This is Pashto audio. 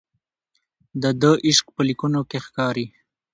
د ده عشق په لیکنو کې ښکاري.